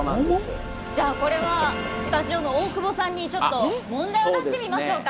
じゃあこれはスタジオの大久保さんにちょっと問題を出してみましょうか。